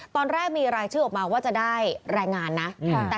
ตอนแรกมีรายชื่อออกมาว่าจะได้รายงานนะ